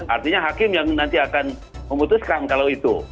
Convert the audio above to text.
artinya hakim yang nanti akan memutuskan kalau itu